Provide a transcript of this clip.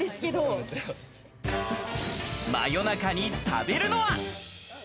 夜中に食べるのは。